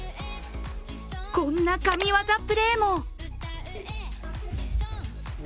こんな神業プレーも。